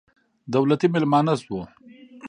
دولتي مېلمانه شوو.